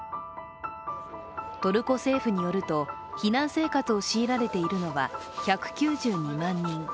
トルコ政府によると、避難生活を強いられているのは１９２万人。